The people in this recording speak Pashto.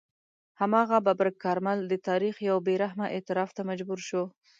هماغه ببرک کارمل د تاریخ یو بې رحمه اعتراف ته مجبور شو.